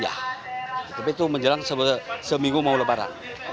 tapi itu menjelang seminggu mau lebaran